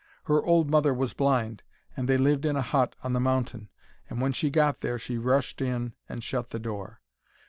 Her old mother was blind, and they lived in a hut on the mountain, and when she got there she rushed in and shut the door.